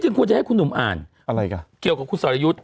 จริงควรจะให้คุณหนุ่มอ่านเกี่ยวกับคุณสวรรยุทธ์